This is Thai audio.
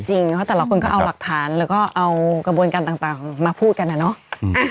แต่ละคนก็เอาหลักฐานแล้วก็เอากระบวนการต่างมาพูดกันนะเนาะ